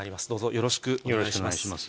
よろしくお願いします。